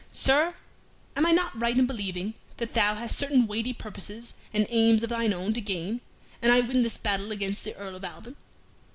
"Sir, am I not right in believing that thou hast certain weighty purposes and aims of thine own to gain an I win this battle against the Earl of Alban?"